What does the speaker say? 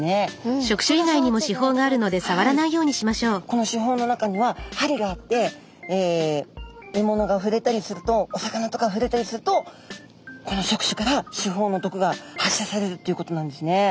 この刺胞の中には針があってえものがふれたりするとお魚とかふれたりするとこの触手から刺胞の毒が発射されるっていうことなんですね。